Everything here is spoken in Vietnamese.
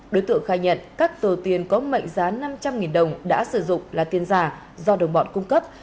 đối tượng khai nhận các tờ tiền có mệnh giá năm trăm linh đồng đã sử dụng là tiền giả do đồng bọn cung cấp